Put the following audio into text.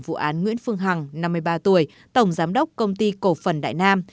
vụ án nguyễn phương hằng năm mươi ba tuổi tổng giám đốc công ty cổ phần đại nam